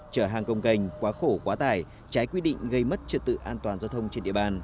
chở hàng công canh quá khổ quá tải trái quy định gây mất trật tự an toàn giao thông trên địa bàn